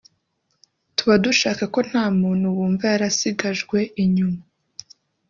…tuba dushaka ko nta muntu wumva yarasigajwe inyuma